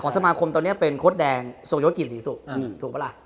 ของสมาคมตอนนี้เป็นโค้ดแดงส่งยศกิจสี่สุดถูกปะล่ะ